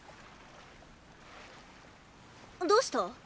どうした？